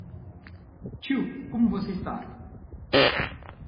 Tio como você está?